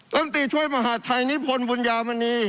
ลำตีช่วยมหาดไทยนิพนธ์บุญญามณี